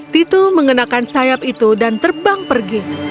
titu mengenakan sayap itu dan terbang pergi